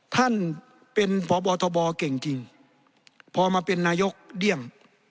ท่านเป็นพบทบเก่งจริงพอมาเป็นนายกเดี้ยง